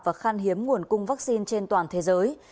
và khan hiếm nguồn cung vaccine trên toàn thế giới